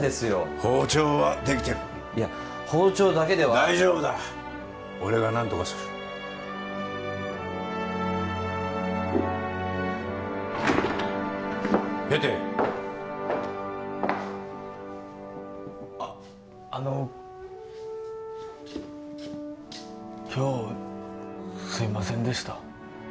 包丁はできてるいや包丁だけでは大丈夫だ俺が何とかするペテあの今日すいませんでした